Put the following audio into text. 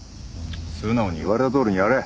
素直に言われたとおりにやれ。